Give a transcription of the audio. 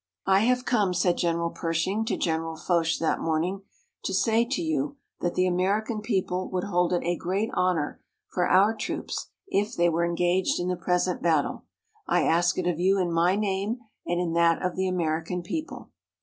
"I have come," said General Pershing to General Foch that morning, "to say to you that the American people would hold it a great honor for our troops if they were engaged in the present battle. I ask it of you in my name and in that of the American people.